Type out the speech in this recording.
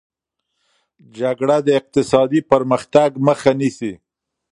جګړه د اقتصادي پرمختګ مخه نیسي.